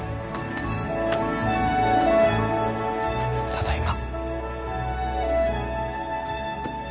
ただいま。